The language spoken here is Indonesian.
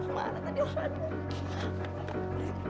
mana tadi orangnya